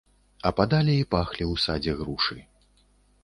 Ападалі і пахлі ў садзе грушы.